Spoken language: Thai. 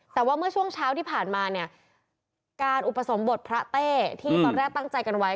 แต่ว่าเมื่อช่วงเช้าที่ผ่านมาเนี่ยการอุปสมบทพระเต้ที่ตอนแรกตั้งใจกันไว้